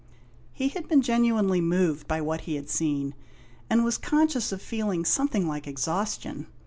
He had been genuinely moved by what he had seen, and was conscious of feeling something like exhaustion.